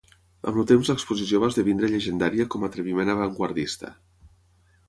Amb el temps l'exposició va esdevenir llegendària com a atreviment avantguardista.